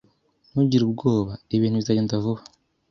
Ntugire ubwoba. Ibintu bizagenda vuba.